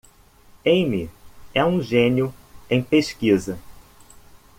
Amy é um gênio em pesquisa.